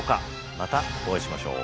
またお会いしましょう。